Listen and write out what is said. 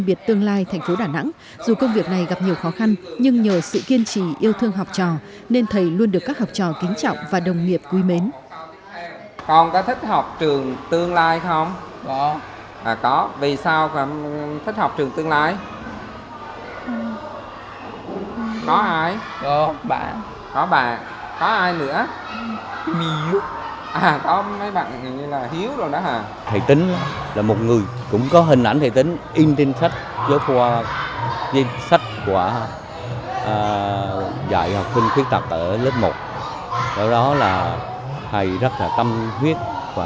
bởi sự kiên trì yêu thương học trò nên thầy luôn được các học trò kính trọng và đồng nghiệp quý mến